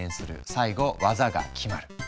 最後技が決まる。